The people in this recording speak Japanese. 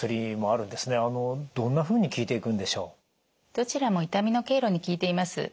どちらも痛みの経路に効いています。